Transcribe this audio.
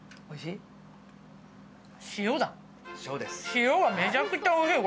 塩がめちゃくちゃおいしいよ。